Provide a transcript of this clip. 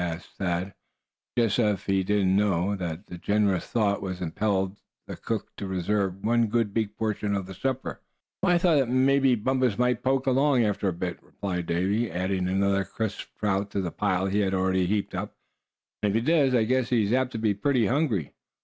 asked Thad; just as if he did not know the generous thought which impelled the cook to reserve one good big portion of the supper. "Why, I thought that mebbe Bumpus might poke along after a bit," replied Davy, adding another crisp trout to the pile he had heaped up, "and if he does, I guess he's apt to be pretty hungry.